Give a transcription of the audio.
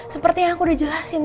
seperti yang aku udah jelasin